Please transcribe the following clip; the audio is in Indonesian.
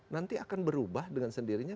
nanti akan berubah dengan sendirinya